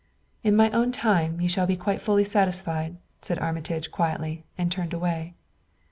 "In my own time you shall be quite fully satisfied," said Armitage quietly, and turned away.